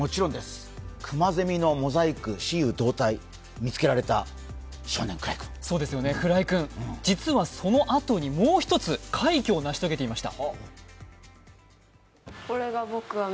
クマゼミのモザイク、雌雄同体見つけられた見つけられた少年、鞍井君、実はそのあとに快挙を成し遂げていました。